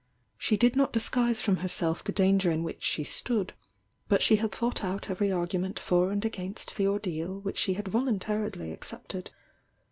She did not disguise from herself the danger in which she stood,— but she hpd thought out every argument for and against the ordeal which she had volun tarily accepted.